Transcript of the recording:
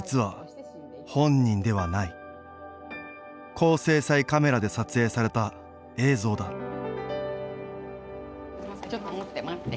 高精細カメラで撮影された映像だちょっともって待って。